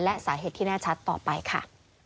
และสาเหตุที่แน่ชัดต่อไปค่ะ